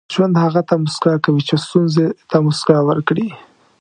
• ژوند هغه ته موسکا کوي چې ستونزې ته موسکا ورکړي.